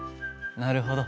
なるほど。